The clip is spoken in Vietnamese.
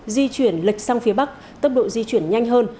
di chuyển lệch sang phía bắc tốc độ di chuyển nhanh hơn